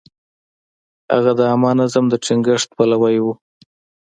هغه د عامه نظم د ټینګښت پلوی و.